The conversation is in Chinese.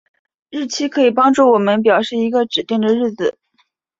日期可以帮助我们表示一个指定的日子。